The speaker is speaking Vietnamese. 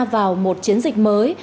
vào một chiến dịch mới